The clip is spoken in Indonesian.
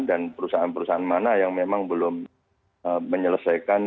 dan perusahaan perusahaan mana yang memang belum menyelesaikan